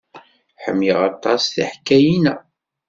Ḥemmleɣ aṭas tiḥkayin-a.